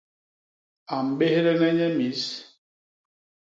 A mbédhene nye mis.